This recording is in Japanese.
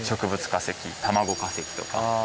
化石卵化石とか。